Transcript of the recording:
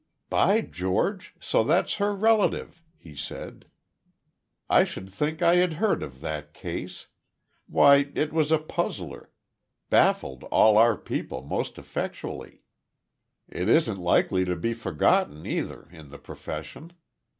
"By George, so that's her relative!" he said. "I should think I had heard of that case. Why it was a puzzler baffled all our people most effectually. It isn't likely to be forgotten either in the profession.